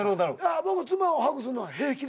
「僕妻をハグするのは平気です」